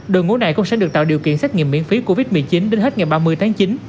đội ngũ này cũng sẽ được tạo điều kiện xét nghiệm miễn phí covid một mươi chín đến hết ngày ba mươi tháng chín